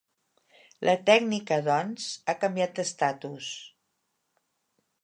La tècnica doncs ha canviat d'estatus.